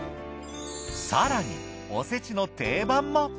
更におせちの定番も。